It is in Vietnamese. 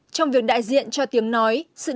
trong việc đại diện cho tiếng nói